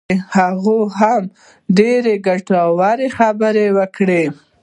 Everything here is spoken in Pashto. هغه هم ډېرې ګټورې خبرې وکړې.